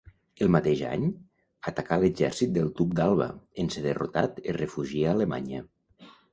El mateix any atacà l'exèrcit del duc d'Alba, en ser derrotat es refugia a Alemanya.